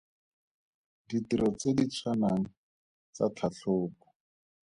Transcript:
Ditiro tse di tshwanang tsa Tlhatlhobo.